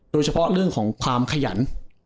โดยเฉพาะเรื่องของความขยัน